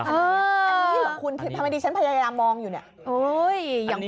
อันนี้ของคุณทำไมดิฉันพยายามมองอยู่เนี่ย